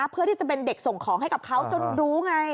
เพื่อที่จะเป็นเด็กส่งของให้กับเขาจนรู้ไง